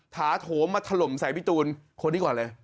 ถาโถมมาถล่มใส่พี่ตูนคนนี้ก่อนเลย